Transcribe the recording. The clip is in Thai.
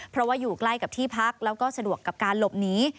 เพราะว่าอยู่ใกล้กับที่พักแล้วก็สะดวกกับการหลบหนี